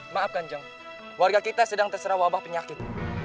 maaf ganjang warga kita sedang terserah wabah penyakit